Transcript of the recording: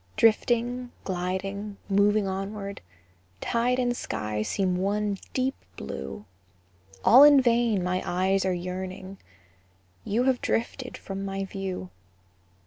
Drifting, gliding, moving onward, Tide and sky seem one deep blue; All in vain my eyes are yearning, You have drifted from my view.